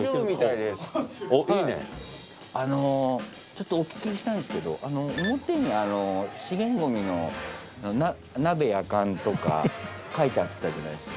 ちょっとお聞きしたいんですけど表に資源ごみの「なべ・やかん」とか書いてあったじゃないですか。